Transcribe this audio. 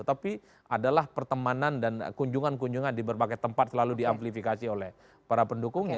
tapi adalah pertemanan dan kunjungan kunjungan di berbagai tempat selalu di amplifikasi oleh para pendukungnya